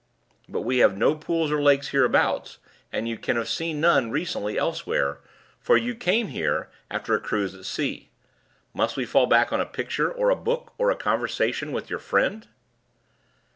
But we have no pools or lakes hereabouts; and you can have seen none recently elsewhere, for you came here after a cruise at sea. Must we fall back on a picture, or a book, or a conversation with your friend?"